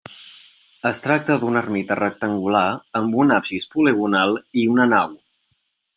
Es tracta d'una ermita rectangular amb absis poligonal i una nau.